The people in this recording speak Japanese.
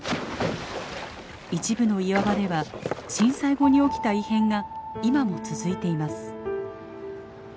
一部の岩場では震災後に起きた異変が今も続いています。